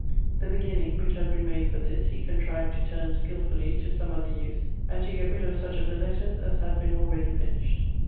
The beginning, which had been made for this, he contrived to turn skilfully to some other use, and to get rid of such of the letters as had been already finished.